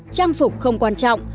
trang phục không quan trọng